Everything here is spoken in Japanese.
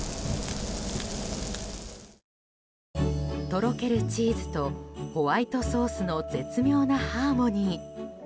とろけるチーズとホワイトソースの絶妙なハーモニー。